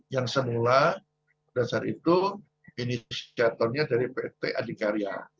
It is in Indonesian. yang semula dasar itu inisiatonnya dari pt adhikarya